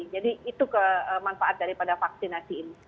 jadi itu kemanfaat daripada vaksinasi ini